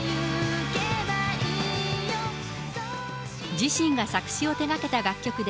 自身が作詞を手がけた楽曲で、